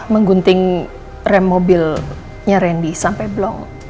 menggunting rem mobilnya randy sampai blong